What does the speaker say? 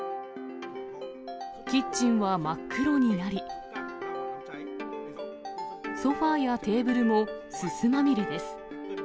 キッチンは真っ黒になり、ソファやテーブルもすすまみれです。